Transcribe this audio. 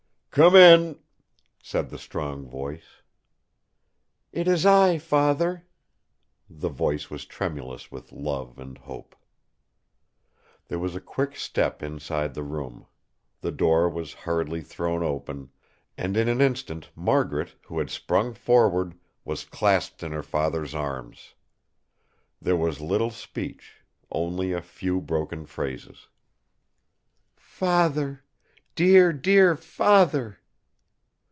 "Come in!" said the strong voice. "It is I, Father!" The voice was tremulous with love and hope. There was a quick step inside the room; the door was hurriedly thrown open, and in an instant Margaret, who had sprung forward, was clasped in her father's arms. There was little speech; only a few broken phrases. "Father! Dear, dear Father!"